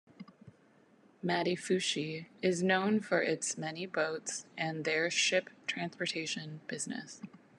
Madifushi is known for its many boats and their Ship Transportation Business.